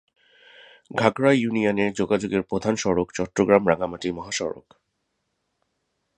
ঘাগড়া ইউনিয়নে যোগাযোগের প্রধান সড়ক চট্টগ্রাম-রাঙ্গামাটি মহাসড়ক।